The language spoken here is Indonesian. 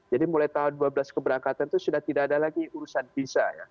jadi mulai tahun dua belas keberangkatan itu sudah tidak ada lagi urusan visa ya